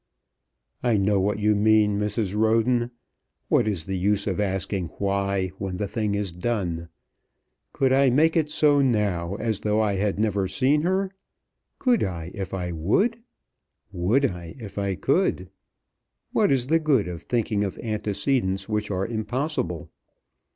"I know what you mean, Mrs. Roden. What is the use of asking 'why' when the thing is done? Could I make it so now, as though I had never seen her? Could I if I would? Would I if I could? What is the good of thinking of antecedents which are impossible?